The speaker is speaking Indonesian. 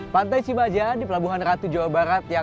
jangan lupa like share dan subscribe ya